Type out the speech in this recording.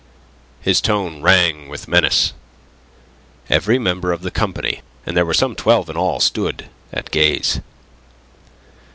His tone rang with menace. Every member of the company and there were some twelve in all stood at gaze.